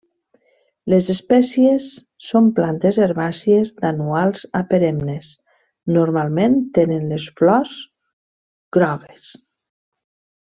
Les espècies són plantes herbàcies d'anuals a perennes, normalment tenen les flors grogues.